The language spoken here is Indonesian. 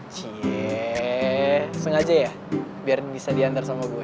sengaja ya biar bisa diantar sama gue